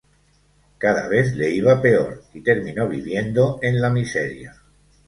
Cada vez le iba peor, y terminó viviendo en la miseria.